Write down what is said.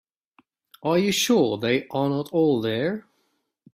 Are you sure they are not all there?